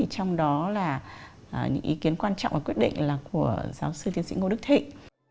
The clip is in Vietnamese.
trong đó là những ý kiến quan trọng và quyết định là của giáo sư tiến sĩ ngô đức thịnh